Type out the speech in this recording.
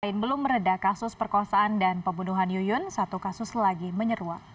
selain belum meredah kasus perkosaan dan pembunuhan yuyun satu kasus lagi menyeruak